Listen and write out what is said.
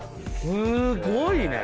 すごいね！